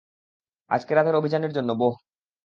আজকে রাতের অভিযানের জন্য, বোহ।